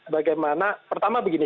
bagaimana pertama begini